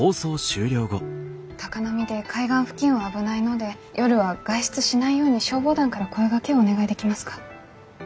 高波で海岸付近は危ないので夜は外出しないように消防団から声がけをお願いできますか？